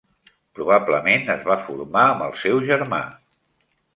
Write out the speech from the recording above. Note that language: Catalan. Probablement es va formar amb el seu germà.